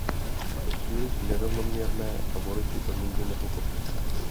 Je to příliš nerovnoměrné a voliči to nikdy nepochopí.